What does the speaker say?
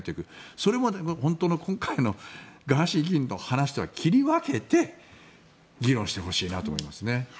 それまでの今回のガーシー議員の話とは切り分けて議論してほしいと思います。